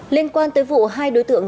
liên quan tới vụ hai đối tượng